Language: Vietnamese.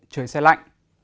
trời sẽ lạnh